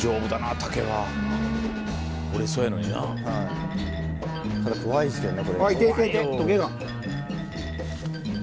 ただ怖いですよね。